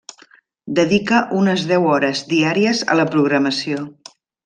Dedica unes deu hores diàries a la programació.